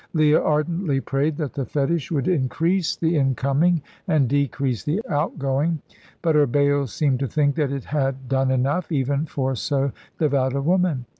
Leah ardently prayed that the fetish would increase the incoming and decrease the outgoing, but her Baal seemed to think that it had done enough, even for so devout a woman.